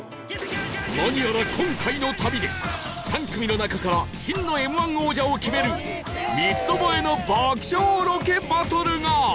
何やら今回の旅で３組の中から真の Ｍ−１ 王者を決める三つどもえの爆笑ロケバトルが！